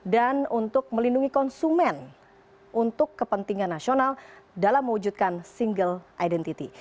dan untuk melindungi konsumen untuk kepentingan nasional dalam mewujudkan single identity